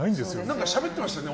何かしゃべってましたね。